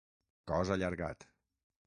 Cos allargat.